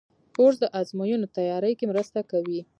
کورس د ازموینو تیاري کې مرسته کوي.